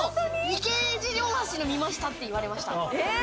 池尻大橋の見ましたって言われました。